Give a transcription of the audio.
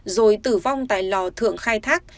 rồi tử vong tại lò thượng khai thác